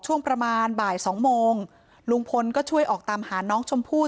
ช่วงประมาณบ่ายสองโมงลุงพลก็ช่วยออกตามหาน้องชมพู่